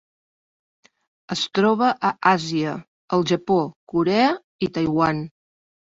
Es troba a Àsia: el Japó, Corea i Taiwan.